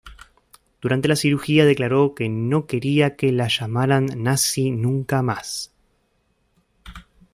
Durante la cirugía declaró que "no quería que la llamaran nazi nunca más".